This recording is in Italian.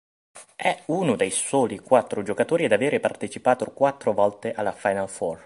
È uno dei soli quattro giocatori ad aver partecipato quattro volte alla Final Four.